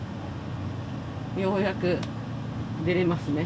ようやく出れますね。